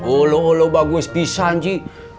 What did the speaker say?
ulu ulu bagus pisah ji